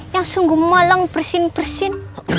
yang sungguh malang bersin bersin